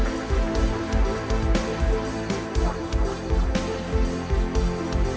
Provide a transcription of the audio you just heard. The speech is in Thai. ทุกคนพร้อมแล้วขอเสียงปลุ่มมือต้อนรับ๑๒สาวงามในชุดราตรีได้เลยค่ะ